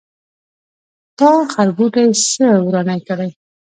تا خربوټي څه ورانی کړی.